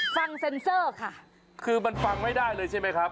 ฟังเซ็นเซอร์ค่ะคือมันฟังไม่ได้เลยใช่ไหมครับ